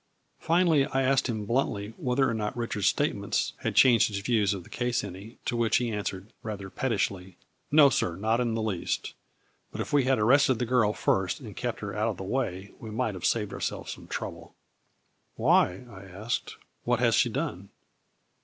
Finally, I asked him bluntly whether or not Richard's statements had changed his views of the case any, to which 86 A FLURRY IN DIAMONDS. he answered, rather pettishly :" No, sir, not in the least, but if we had arrested the girl first and kept her out of the way, we might have saved ourselves some trouble." " Why/' I asked, " what has she done